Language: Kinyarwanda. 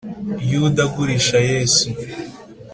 Yuda agurisha Yesu